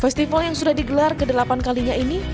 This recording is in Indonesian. festival yang sudah digelar kedelapan kalinya ini